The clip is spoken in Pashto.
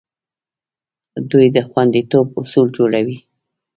دوی د خوندیتوب اصول جوړوي.